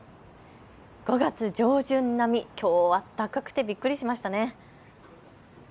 ５月上旬並み、きょうは暖かくてびっくりしましたね。